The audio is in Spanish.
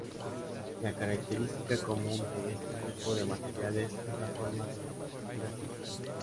La característica común de este grupo de materiales es la forma del grafito.